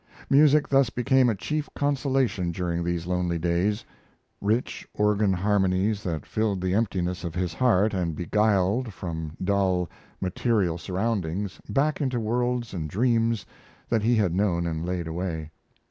Music thus became a chief consolation during these lonely days rich organ harmonies that filled the emptiness of his heart and beguiled from dull, material surroundings back into worlds and dreams that he had known and laid away.